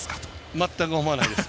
全く思わないです。